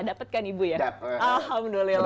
dapet kan ibu ya dapet alhamdulillah